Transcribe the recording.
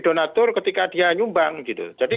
donator ketika dia nyumbang jadi